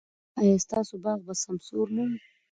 ایا ستاسو باغ به سمسور نه وي؟